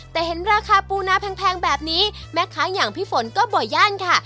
แต่เห็นราคาปูนาแพงแบบนี้แม่ค้าอย่างพี่ฝนก็บ่อยย่านค่ะ